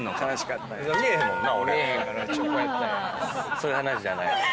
そういう話じゃないのよ。